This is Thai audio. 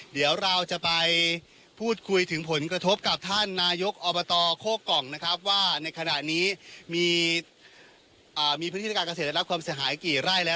เดี๋ยวเราจะไปพูดคุยถึงผลกระทบกับท่านนายกอบตโคกล่องนะครับว่าในขณะนี้มีพื้นที่ทางการเกษตรได้รับความเสียหายกี่ไร่แล้ว